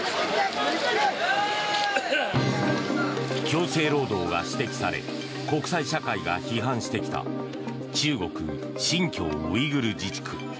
強制労働が指摘され国際社会が批判してきた中国・新疆ウイグル自治区。